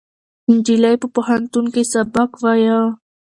نجلۍ په پوهنتون کې سبق وایه.